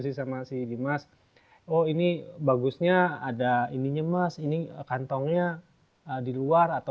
ini juga yang saya ingin kasih tau